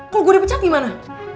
kalau gue dipecat gimana